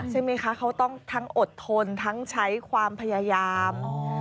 ใช่ไหมคะเขาต้องทั้งอดทนทั้งใช้ความพยายาม